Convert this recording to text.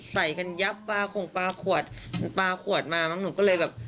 ใส่กันยับปลาของปลาขวดปลาขวดมามั้งหนูก็เลยแบบ